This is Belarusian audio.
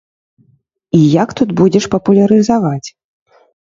І як тут будзеш папулярызаваць?